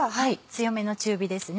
強めの中火です。